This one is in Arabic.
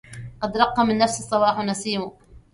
قد رق من نفس الصباح نسيم